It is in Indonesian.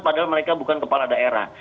padahal mereka bukan kepala daerah